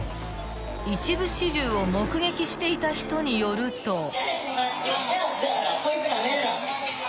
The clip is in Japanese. ［一部始終を目撃していた人によると］